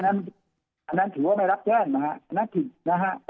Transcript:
อันนั้นถือว่าไม่รับแจ้งนะฮะอันนั้นจริงนะฮะ